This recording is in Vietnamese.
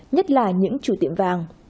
nhất là những chủ tiệm vàng